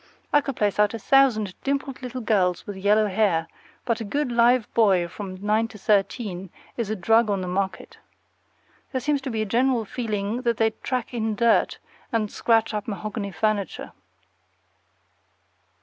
I could place out a thousand dimpled little girls with yellow hair, but a good live boy from nine to thirteen is a drug on the market. There seems to be a general feeling that they track in dirt and scratch up mahogany furniture.